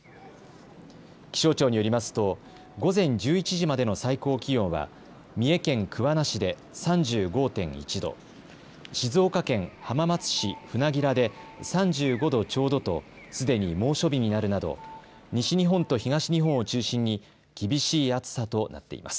気象庁によりますと午前１１時までの最高気温は三重県桑名市で３５．１度、静岡県浜松市船明で３５度ちょうどとすでに猛暑日になるなど西日本と東日本を中心に厳しい暑さとなっています。